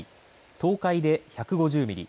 東海で１５０ミリ